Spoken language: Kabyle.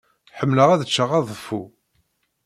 Ḥemmleɣ ad cceɣ aḍeffu.